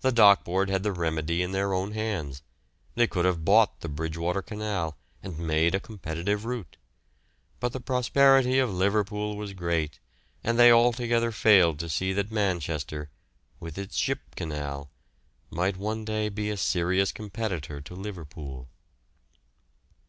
The Dock Board had the remedy in their own hands; they could have bought the Bridgewater Canal, and made a competitive route; but the prosperity of Liverpool was great, and they altogether failed to see that Manchester, with its Ship Canal, might one day be a serious competitor to Liverpool.